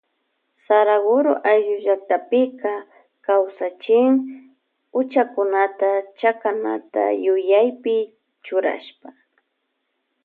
Saraguro ayllu llaktapika kawsachin huchakunata chakanata yuyaypi churashpa.